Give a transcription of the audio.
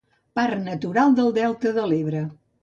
Parc Natural del Delta de l'Ebre.